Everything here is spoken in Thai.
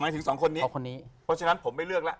เพราะฉะนั้นผมไม่เลือกแล้ว